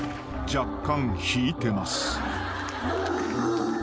若干引いてます］